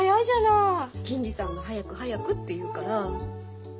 銀次さんが早く早くって言うから。